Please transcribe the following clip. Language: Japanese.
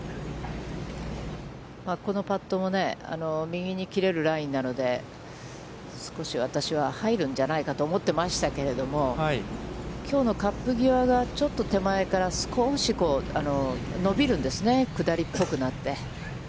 このパットもね、右に切れるラインなので、少し、私は入るじゃないかと思ってましたけども、きょうのカップ際が、ちょっと手前から少し伸びるんですね、下りっぽくなって。